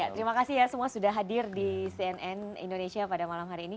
terima kasih ya semua sudah hadir di cnn indonesia pada malam hari ini